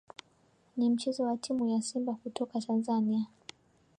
ni mchezo wa timu ya simba kutoka tanzania